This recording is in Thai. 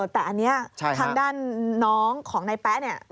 แต่อันนี้ทางด้านน้องของนายแป๊ะเนี่ย